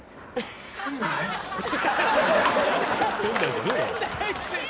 「“仙台？”じゃねえよ」